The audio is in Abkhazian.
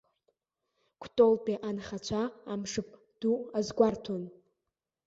Кәтолтәи анхацәа амшаԥ ду азгәарҭон.